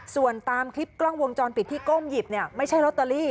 ส่วนตามคลิปกล้องวงจรปิดที่ก้มหยิบเนี่ยไม่ใช่ลอตเตอรี่